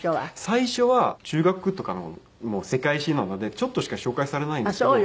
最初は中学とかの世界史なのでちょっとしか紹介されないんですけど